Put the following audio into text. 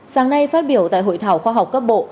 sáng nay phát biểu tại hội thảo khoa học cấp bộ